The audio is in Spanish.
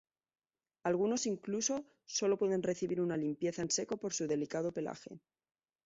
Algunos incluso sólo pueden recibir una "limpieza en seco" por su delicado pelaje.